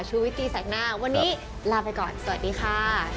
วิตตีแสกหน้าวันนี้ลาไปก่อนสวัสดีค่ะ